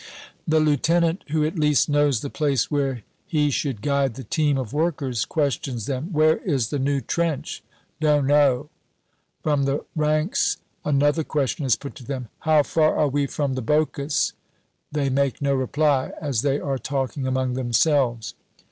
The lieutenant, who at least knows the place where he should guide the team of workers, questions them, "Where is the New Trench?" "Don't know." From the ranks another question is put to them, "How far are we from the Boches?" They make no reply, as they are talking among themselves.